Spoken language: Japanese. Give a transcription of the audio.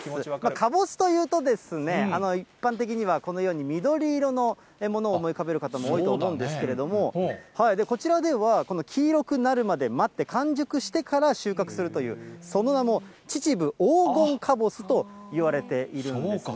かぼすというとですね、一般的には、このように緑色のものを思い浮かべる方も多いと思うんですけど、こちらでは、この黄色くなるまで待って、完熟してから収穫するという、その名も、秩父黄金かぼすといわれているんですね。